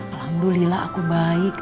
alhamdulillah aku baik